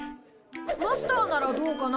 マスターならどうかな？